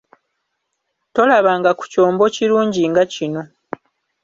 Tolabanga ku kyombo kirungi nga kino.